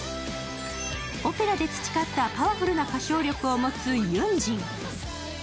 オペラで培ったパワフルな歌唱力を持つユンジン。